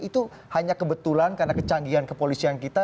itu hanya kebetulan karena kecanggihan kepolisian kita